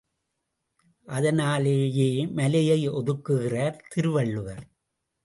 அதனாலேயே மலையை ஒதுக்குகிறார் திருவள்ளுவர்.